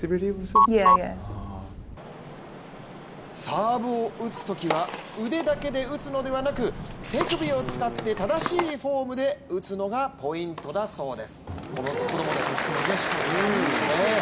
サーブを打つときは腕だけで打つのではなく手首を使って正しいフォームで打つのがポイントだそうです。